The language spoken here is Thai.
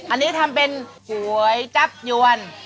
อันนี้ทำเป็นก๋วยจับยวน